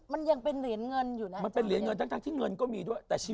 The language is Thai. มันยังเป็นเหรียญเงินอยู่นะ